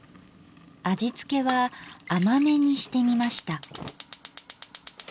味付けは甘めにしてみました。